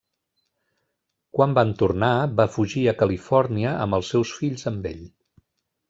Quan van tornar, va fugir a Califòrnia amb els seus fills amb ell.